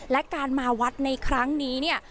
และการมาวัดในครั้งนี้เนี่ย